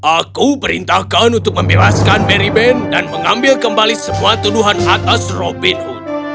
aku perintahkan untuk membebaskan mary ben dan mengambil kembali semua tuduhan atas robin hood